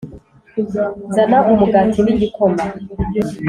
zana umugati n'igikoma